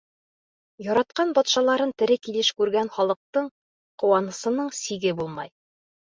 Яратҡан батшаларын тере килеш күргән халыҡтың ҡыуанысының сиге булмай.